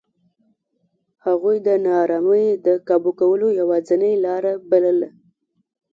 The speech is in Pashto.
هغوی د نارامۍ د کابو کولو یوازینۍ لار بلله.